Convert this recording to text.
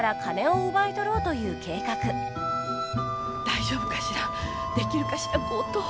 大丈夫かしらできるかしら強盗。